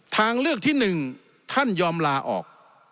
ทางเลือกที่๑ท่านยอมลาออก